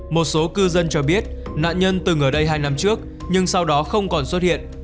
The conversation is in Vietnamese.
một số cư dân cho biết nạn nhân từng ở đây hai năm trước nhưng sau đó không còn xuất hiện